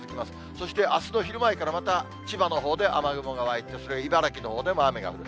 そして、あすの昼前からまた、千葉のほうで雨雲が湧いて、茨城のほうでも雨が降る。